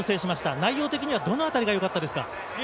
内容的にどのあたりがよかったですか？